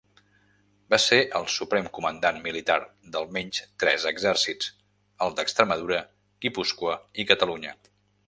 Va ser el suprem comandant militar d'almenys tres exèrcits: els d'Extremadura, Guipúscoa i Catalunya.